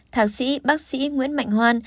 thạc sĩ bác sĩ nguyễn mạnh hoan